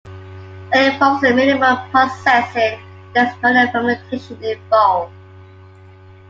It involves minimal processing and there is no fermentation involved.